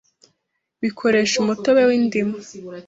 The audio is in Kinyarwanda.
bikoresha umutobe w’indimu